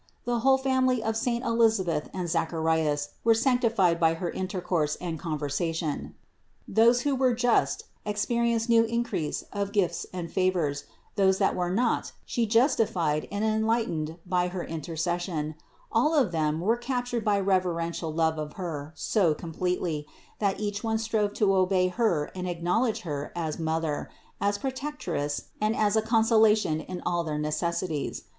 The whole family of saint Elisabeth and Zacharias were sanctified by her intercourse and conver THE INCARNATION 211 sation. Those who were just, experienced new increase of gifts and favors; those that were not, She justified and enlightened by her intercession; all of them were captured by reverential love of Her so completely, that each one strove to obey Her and acknowledge Her as mother, as protectress and as a consolation in all their necessities.